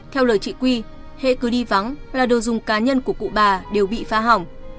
theo lời chị quy hệ cứ đi vắng là đồ dùng cá nhân của cụ bà đều bị phá hỏng